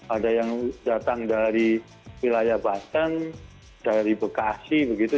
ada yang datang dari wilayah banten dari bekasi begitu